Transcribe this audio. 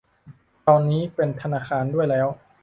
ตอนนี้เป็นธนาคารด้วยแล้ว